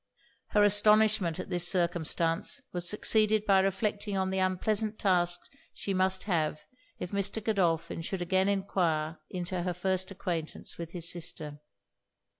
Her astonishment at this circumstance was succeeded by reflecting on the unpleasant task she must have if Mr. Godolphin should again enquire into her first acquaintance with his sister.